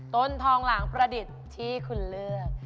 ต้นทองหลังประดิษฐ์ที่คุณเลือก